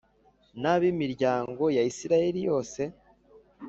n ab imiryango ya Isirayeli yose